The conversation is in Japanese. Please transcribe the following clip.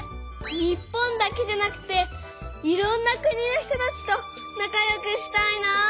日本だけじゃなくていろんな国の人たちと仲よくしたいなあ。